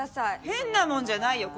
変なもんじゃないよ。